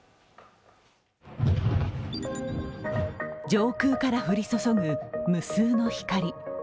上空から降り注ぐ無数の光。